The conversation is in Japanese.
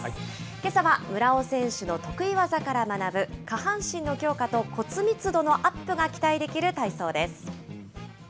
けさは村尾選手の得意技から学ぶ、下半身の強化と骨密度のアップが期待できる体操です。